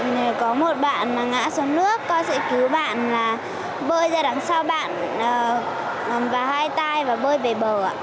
nếu có một bạn ngã xuống nước con sẽ cứu bạn bơi ra đằng sau bạn vào hai tay và bơi về bờ